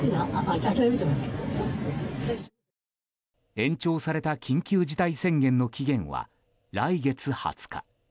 延長された緊急事態宣言の期限は来月２０日。